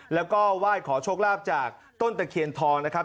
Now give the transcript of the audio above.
แล้วก็ไหว้ขอโชคลาภจากต้นตะเคียนทองนะครับ